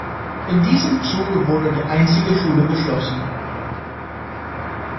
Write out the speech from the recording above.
In diesem Zuge wurde die einzige Schule geschlossen.